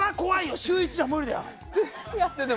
週１じゃ無理だよ。